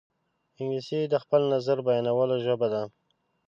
انګلیسي د خپل نظر بیانولو ژبه ده